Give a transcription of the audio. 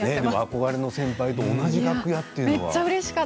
憧れの先輩と同じ楽屋というのは。